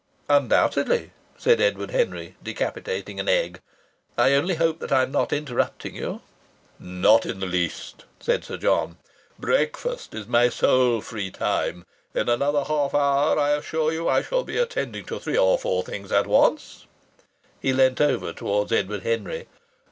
"Undoubtedly," said Edward Henry, decapitating an egg. "I only hope that I'm not interrupting you." "Not in the least," said Sir John. "Breakfast is my sole free time. In another half hour I assure you I shall be attending to three or four things at once." He leant over towards Edward Henry.